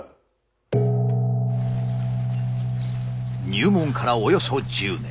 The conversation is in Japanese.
入門からおよそ１０年。